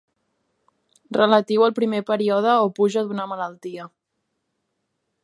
Relatiu al primer període o puja d'una malaltia.